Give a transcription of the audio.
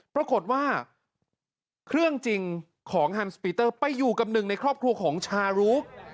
ปรากฏว่าเครื่องจริงของฮันสปีเตอร์ไปอยู่กับหนึ่งในครอบครัวของชารุก